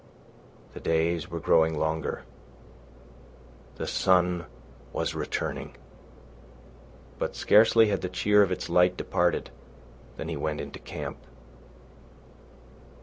The days were growing longer. The sun was returning. But scarcely had the cheer of its light departed, than he went into camp.